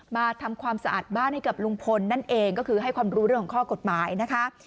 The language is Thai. มาทำความสะอาดบ้านให้กับลุงพลนั่นเองก็คือให้ความรู้เรื่องของข้อกฎหมายนะคะ